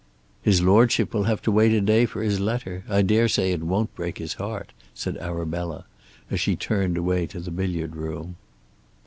"His Lordship will have to wait a day for his letter. I dare say it won't break his heart," said Arabella, as she turned away to the billiard room.